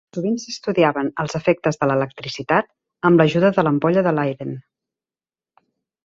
Sovint s'estudiaven els efectes de l'electricitat amb l'ajuda de l'ampolla de Leiden.